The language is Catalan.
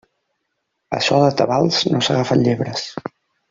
A so de tabals no s'agafen llebres.